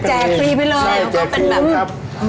ใช่แจกฟรีลงครับ